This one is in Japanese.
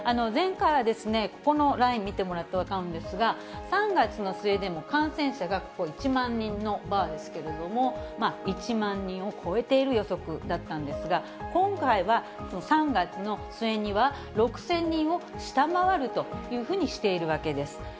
前回は、このライン見てもらうと分かるんですが、３月の末でも感染者がここ、１万人のバーですけれども、１万人を超えている予測だったんですが、今回は、３月の末には、６０００人を下回るというふうにしているわけです。